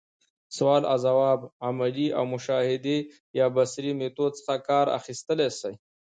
سوال اوځواب، عملي او مشاهدي يا بصري ميتود څخه کار اخستلاي سي.